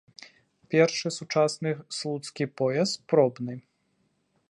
Першы сучасны слуцкі пояс пробны.